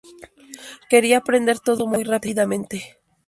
Quería aprender todo muy rápidamente.